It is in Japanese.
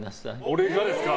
俺がですか？